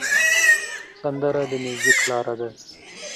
سندره د میوزیک لاره ده